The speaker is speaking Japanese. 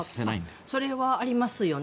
それはありますね。